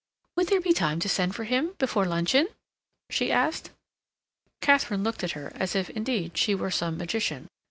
"Would there be time to send for him before luncheon?" she asked. Katharine looked at her as if, indeed, she were some magician.